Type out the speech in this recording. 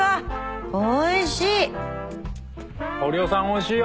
おいしい。